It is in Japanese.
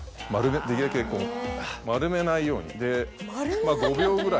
できるだけ丸めないようにまぁ５秒ぐらい。